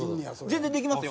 全然できますよ。